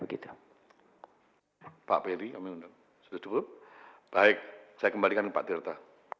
saya kembalikan kepada pak dirta